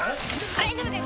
大丈夫です